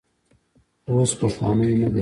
اوس پخوانی نه دی.